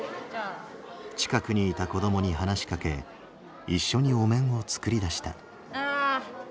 近くにいた子どもに話しかけ一緒にお面を作り出した。